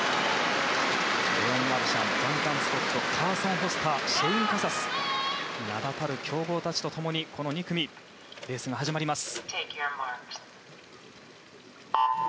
レオン・マルシャンダンカン・スコットカーソン・フォスターシャイン・カサスと名だたる強豪たちと共にこの２組のレースが始まります。